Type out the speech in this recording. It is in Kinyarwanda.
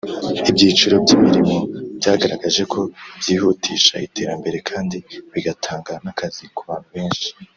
Ibyiciro by’imirimo byagaragaje ko byihutisha iterambere kandi bigatanga n’akazi ku bantu benshi